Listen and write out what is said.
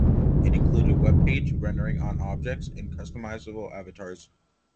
It included web page rendering on objects and customizable avatars.